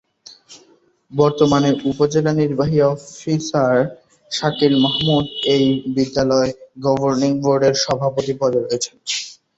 বর্তমানে উপজেলা নির্বাহী অফিসার শাকিল মাহমুদ এই বিদ্যালয়ের গভর্নিং বডির সভাপতি পদে আছে।